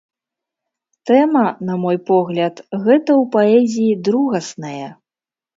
Тэма, на мой погляд, гэта ў паэзіі другаснае.